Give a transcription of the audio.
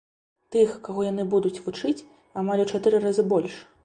Тых, каго яны будуць вучыць, амаль у чатыры разы больш.